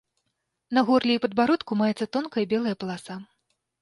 На горле і падбародку маецца тонкая, белая паласа.